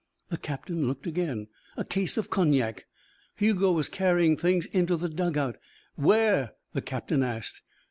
The captain looked again. A case of cognac. Hugo was carrying things into the dug out. "Where?" the captain asked.